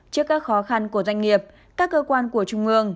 trước các khó khăn của doanh nghiệp các cơ quan của trung ương